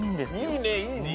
いいねいいね。